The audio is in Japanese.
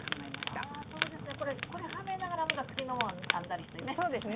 そうですねこれはめながらまた次のもの編んだりしてね。